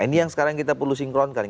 ini yang sekarang kita perlu sinkronkan